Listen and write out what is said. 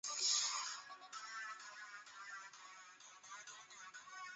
瓦利亚野山羊是衣索比亚国家足球队的象征。